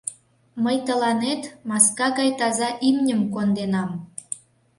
Мый тыланет маска гай таза имньым конденам.